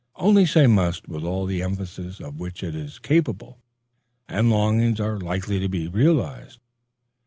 Only say must with all the emphasis of which it is capable, and longings are likely to be realized.